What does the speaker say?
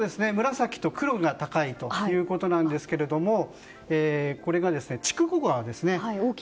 紫と黒が高いんですがこれが、筑後川ですね。